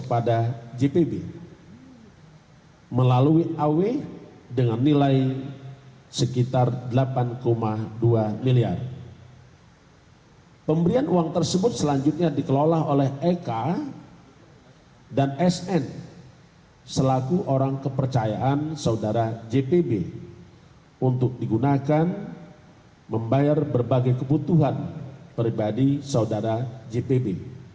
pembagian uang tersebut selanjutnya dikelola oleh ek dan sn selaku orang kepercayaan saudara jpb untuk digunakan membayar berbagai kebutuhan pribadi saudara jpb